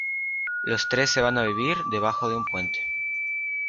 Los tres se van a vivir debajo de un puente.